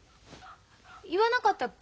言わなかったっけ？